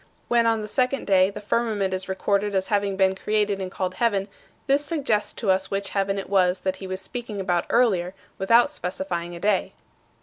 When, on the second day, the firmament is recorded as having been created and called heaven, this suggests to us which heaven it was that he was speaking about earlier, without specifying a day.